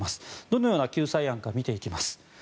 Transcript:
どのような救済案か見ていきます。